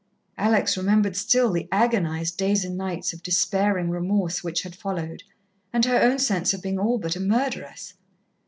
Alex remembered still the agonized days and nights of despairing remorse which had followed, and her own sense of being all but a murderess.